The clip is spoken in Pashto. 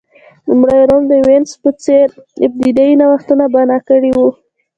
لومړی روم د وینز په څېر ابتدايي نوښتونه بنا کړي وو